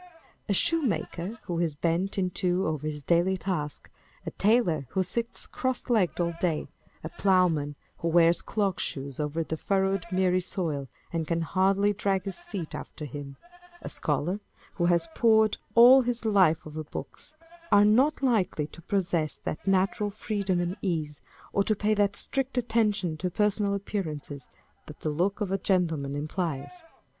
A shoemaker, who is bent in two over his daily task ; a tailor who sits cross legged all day ; a ploughman who wears clog shoes over the furrowed miry soil, and can hardly drag his feet after him ; a scholar who has pored all his life over books, â€" are not likely to possess that natural freedom and ease, or to pay that strict attention to personal appearances, that the look of a gentleman implies.